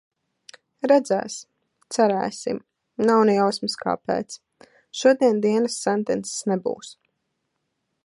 Redzēs. Cerēsim. Nav ne jausmas, kāpēc. Šodien dienas sentences nebūs.